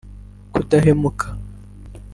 kudahemuka